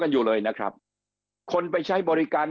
อยู่เลยนะครับคนไปใช้บริการ